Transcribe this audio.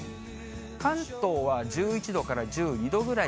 関東は１１度から１２度ぐらい。